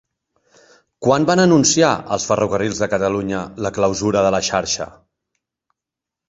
Quan van anunciar els Ferrocarrils de Catalunya la clausura de la xarxa?